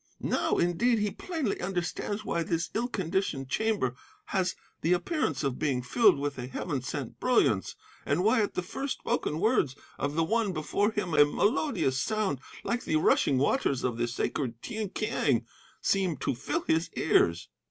Now, indeed, he plainly understands why this ill conditioned chamber has the appearance of being filled with a Heaven sent brilliance, and why at the first spoken words of the one before him a melodious sound, like the rushing waters of the sacred Tien Kiang, seemed to fill his ears.